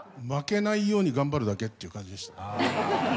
負けないように頑張るだけっていう感じでした。